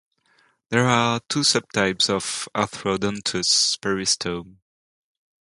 There are two subtypes of arthrodontous peristome.